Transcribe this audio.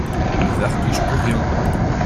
Le vertige de Rien !